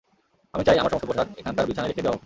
আমি চাই আমার সমস্ত পোশাক এখানকার বিছানায় রেখে দেওয়া হোক।